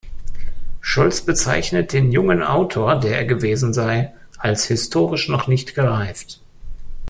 Scholz bezeichnet den jungen Autor, der er gewesen sei, als „historisch noch nicht gereift“.